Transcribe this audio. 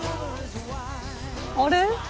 あれ？